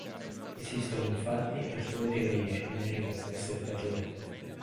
Esistono infatti alcune teorie in merito a queste statuette.